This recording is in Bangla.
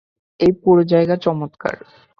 এই পুরো জায়গা চমৎকার।